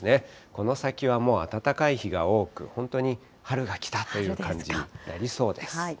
この先はもう暖かい日が多く、本当に春が来たという感じになりそうです。